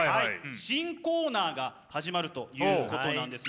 新コーナーが始まるということなんですね。